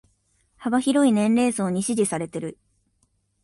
幅広い年齢層に支持されてる